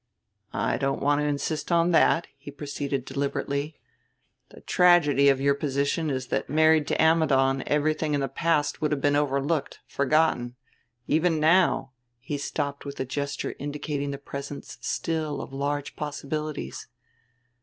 "I don't want to insist on that," he proceeded deliberately. "The tragedy of your position is that married to Ammidon everything in the past would have been overlooked, forgotten. Even now " he stopped with a gesture indicating the presence still of large possibilities.